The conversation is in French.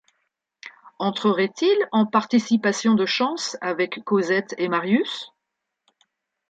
Entrerait-il en participation de chances avec Cosette et Marius ?